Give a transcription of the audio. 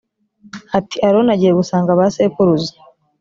ati aroni agiye gusanga ba sekuruza